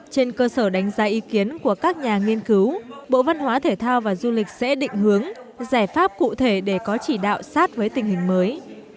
trên cơ sở đánh giá ý kiến của các nhà nghiên cứu bộ văn hóa thể thao và du lịch sẽ định hướng giải pháp cụ thể để có chỉ đạo sát với tình hình mới